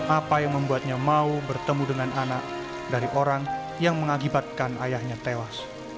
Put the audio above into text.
apa yang membuatnya mau bertemu dengan anak dari orang yang mengakibatkan ayahnya tewas